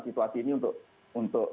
situasi ini untuk